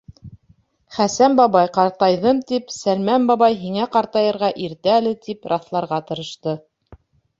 Хәсән бабай, «ҡартайҙым» тип, Сәлмән бабай, «һиңә ҡартайырға иртә әле», тип раҫларға тырышты.